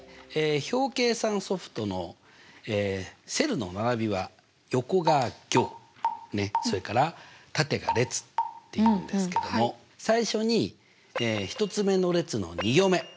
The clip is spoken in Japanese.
表計算ソフトのセルの並びは横が行それから縦が列というんですけども最初に１つ目の列の２行目にそこに「１週」と書きますね。